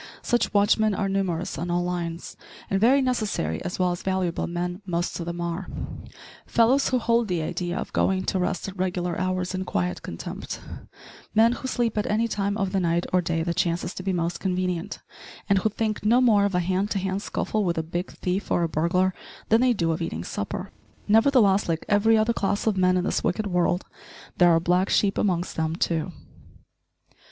Such watchmen are numerous on all lines; and very necessary, as well as valuable, men most of them are fellows who hold the idea of going to rest at regular hours in quiet contempt; men who sleep at any time of the night or day that chances to be most convenient, and who think no more of a hand to hand scuffle with a big thief or a burglar than they do of eating supper. Nevertheless, like every other class of men in this wicked world, there are black sheep amongst them too.